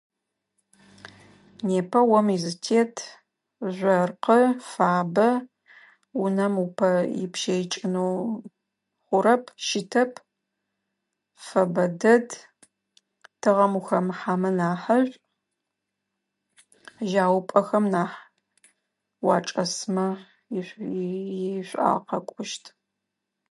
Непэ ом изытет жъоркъы, фабэ. Унэм упэ ипщэикӏынэу хъурэп, щытэп. Фэбэ дэд. Тыгъэм ухэмыхьамэ нахьышӏу. Жьаупӏэхэм нахь уачӏэсмэ ишӏуагъэ къэкӏощт.